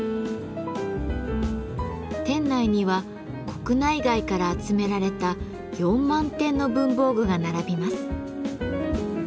店内には国内外から集められた４万点の文房具が並びます。